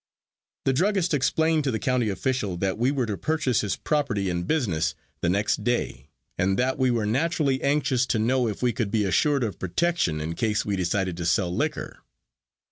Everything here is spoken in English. The druggist explained to the county official that we were to purchase his property and business the next day, and that we were naturally anxious to know if we could be assured of protection in case we decided to sell liquor.